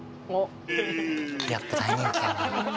やっぱ大人気やな。